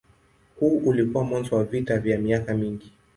Huu ulikuwa mwanzo wa vita vya miaka mingi.